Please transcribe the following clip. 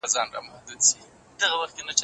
په ټولنه کي به د یو معتبر شخص په توګه پیژندل کیږئ.